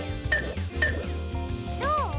どう？